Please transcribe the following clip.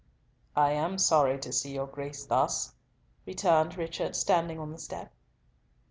"I am sorry to see your Grace thus," returned Richard, standing on the step.